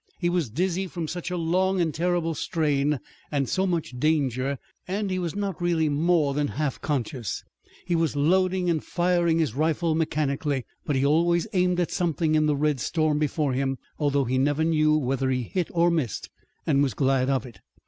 He was dizzy from such a long and terrible strain and so much danger, and he was not really more than half conscious. He was loading and firing his rifle mechanically, but he always aimed at something in the red storm before them, although he never knew whether he hit or missed, and was glad of it.